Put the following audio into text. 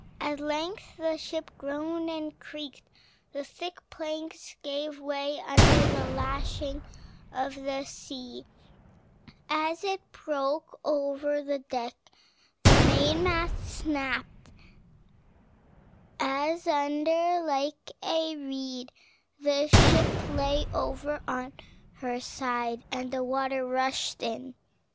At length the ship groaned and creaked; the thick planks gave way under the lashing of the sea as it broke over the deck; the mainmast snapped asunder like a reed; the ship lay over on her side; and the water rushed in.